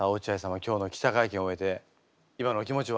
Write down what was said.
今日の記者会見を終えて今のお気持ちは？